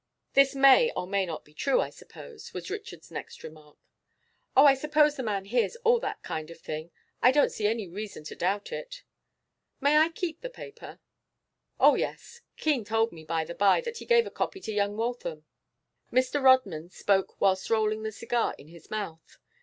'This may or may not be true, I suppose,' was Richard's next remark. 'Oh, I suppose the man hears all that kind of thing. I don't see any reason to doubt it.' 'May I keep the paper?' 'Oh, yes. Keene told me, by the by, that he gave a copy to young Waltham.' Mr. Rodman spoke whilst rolling the cigar in his mouth.